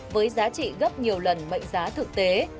với giá trị gấp nhiều lần mệnh giá thực tế